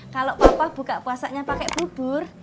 kalau papa buka puasanya pakai bubur